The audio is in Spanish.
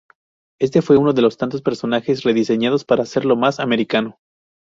Este fue uno de los tantos personajes rediseñados, para hacerlo "más americano".